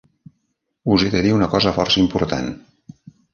Us he de dir una cosa força important.